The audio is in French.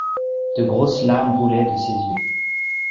De grosses larmes roulaient de ses yeux.